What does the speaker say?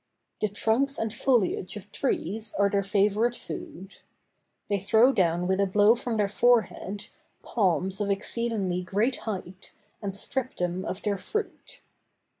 The trunks and foliage of trees are their favorite food. They throw down with a blow from their forehead, palms of exceedingly great height, and strip them of their fruit.